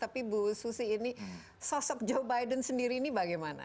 tapi bu susi ini sosok joe biden sendiri ini bagaimana